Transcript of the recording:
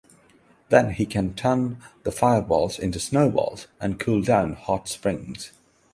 Then he can turn the fireballs into snowballs and cool down hot springs.